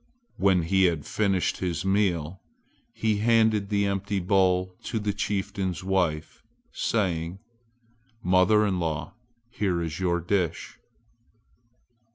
When he had finished his meal he handed the empty bowl to the chieftain's wife, saying, "Mother in law, here is your dish!"